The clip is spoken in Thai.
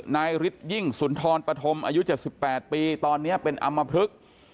ฤทธิยิ่งสุนทรปฐมอายุ๗๘ปีตอนนี้เป็นอำมพลึก